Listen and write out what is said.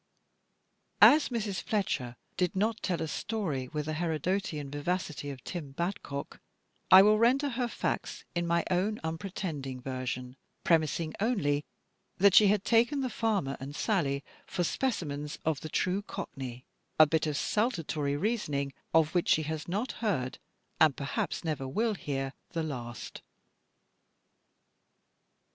As Mrs. Fletcher did not tell a story with the Herodotean vivacity of Tim Badcock, I will render her facts in my own unpretending version, premising only that she had taken the farmer and Sally for specimens of the true Cockney; a bit of saltatory reasoning of which she has not heard (and perhaps never will hear) the last.